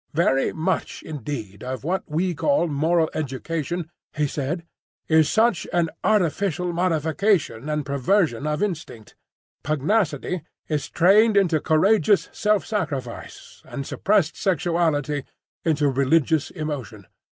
Very much indeed of what we call moral education, he said, is such an artificial modification and perversion of instinct; pugnacity is trained into courageous self sacrifice, and suppressed sexuality into religious emotion.